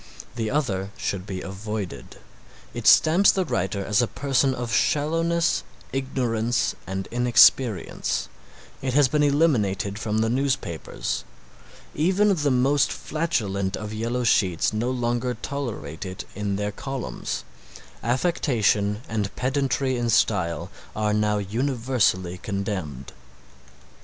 The other should be avoided. It stamps the writer as a person of shallowness, ignorance and inexperience. It has been eliminated from the newspapers. Even the most flatulent of yellow sheets no longer tolerate it in their columns. Affectation and pedantry in style are now universally condemned.